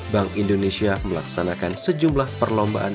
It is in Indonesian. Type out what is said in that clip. bank indonesia melaksanakan sejumlah perlombaan